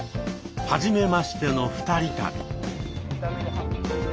「はじめましての二人旅」。